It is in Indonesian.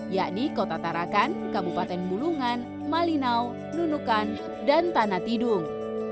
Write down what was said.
yakni kota tarakan kabupaten bulungan malinau nunukan dan tanah tidung